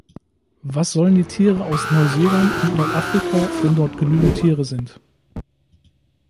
Was sollen die Tiere aus Neuseeland in Nordafrika, wenn dort genügend Tiere sind?